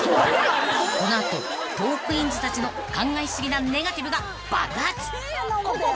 ［この後トークィーンズたちの考え過ぎなネガティブが爆発］